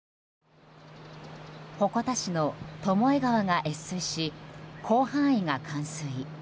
鉾田市の巴川が越水し広範囲が冠水。